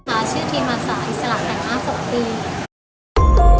หาชื่อทีมอาสาอิสระแข่งอาศักดิ์